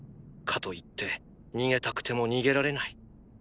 かといって逃げたくても逃げられない。